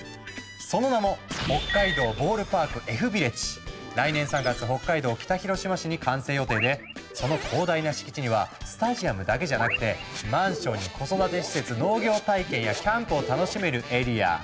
その名も来年３月北海道北広島市に完成予定でその広大な敷地にはスタジアムだけじゃなくてマンションに子育て施設農業体験やキャンプを楽しめるエリア。